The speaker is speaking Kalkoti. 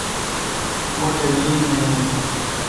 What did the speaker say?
م ٹھ نیند نہ یین۔